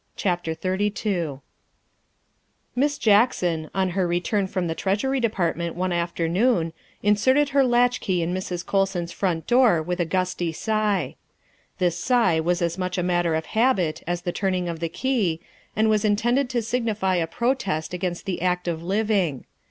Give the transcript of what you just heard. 910 THE WIFE OF XXXII Miss JACKSON, on her return from the Treasury De partment one afternoon, inserted her latchkey in Mrs. Colson's front door with a gusty sigh. This sigh was as much a matter of habit as the turning of the key, and was intended to signify a protest against the act of living.